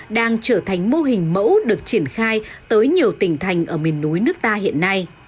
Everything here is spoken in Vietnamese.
đang trở thành mô hình mẫu được triển khai tới nhiều tỉnh thành ở miền núi nước ta hiện nay